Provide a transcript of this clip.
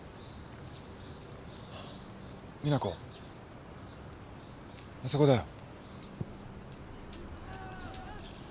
実那子あそこだよ。